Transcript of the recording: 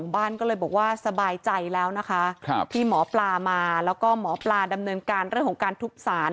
บ้านก็เลยบอกว่าสบายใจแล้วนะคะที่หมอปลามาแล้วก็หมอปลาดำเนินการเรื่องของการทุบสาร